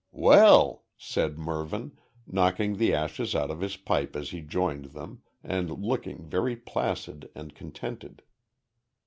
"Well," said Mervyn, knocking the ashes out of his pipe as he joined them, and looking very placid and contented.